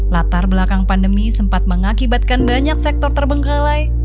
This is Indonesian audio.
latar belakang pandemi sempat mengakibatkan banyak sektor terbengkalai